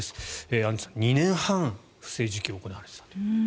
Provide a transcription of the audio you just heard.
アンジュさん、２年半不正受給が行われていたと。